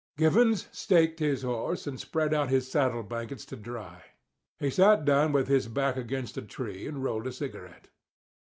Givens staked his horse, and spread out his saddle blankets to dry. He sat down with his back against a tree and rolled a cigarette.